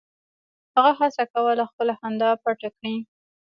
هغه هڅه کوله خپله خندا پټه کړي